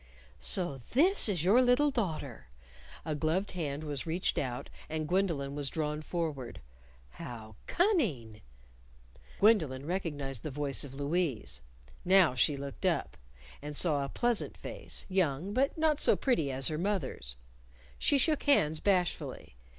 "So this is your little daughter!" A gloved hand was reached out, and Gwendolyn was drawn forward. "How cunning!" Gwendolyn recognized the voice of Louise. Now, she looked up. And saw a pleasant face, young, but not so pretty as her mother's. She shook hands bashfully.